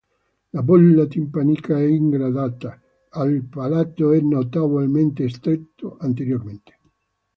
La bolla timpanica è ingrandita, il palato è notevolmente stretto anteriormente.